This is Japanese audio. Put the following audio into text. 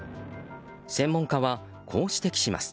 専門家は、こう指摘します。